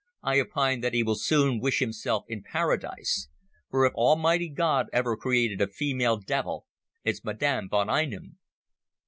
I opine that he will soon wish himself in Paradise. For if Almighty God ever created a female devil it's Madame von Einem."